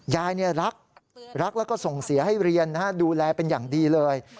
ยายรักรักแล้วก็ส่งเสียให้เรียนดูแลเป็นอย่างดีเลย